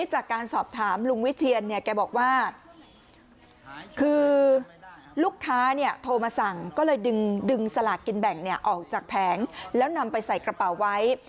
หรือถึงสละกินแบ่งออกจากแผงแล้วนำไปใส่กระเป๋าไว้